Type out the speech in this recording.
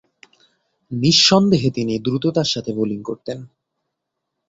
নিঃসন্দেহে তিনি দ্রুততার সাথে বোলিং করতেন।